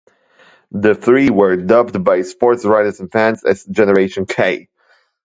The three were dubbed by sportswriters and fans as "Generation K".